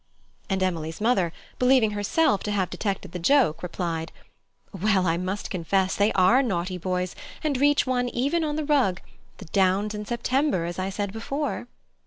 And Emily's mother, believing herself to have detected the joke, replied, "Well I must confess they are naughty boys and reach one even on the rug: the downs in September, as I said before."